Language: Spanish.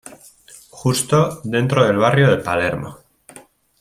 Justo, dentro del barrio de Palermo.